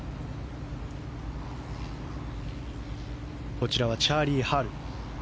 こちらはチャーリー・ハル。